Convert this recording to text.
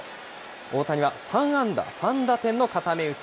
大谷は３安打３打点の固め打ち。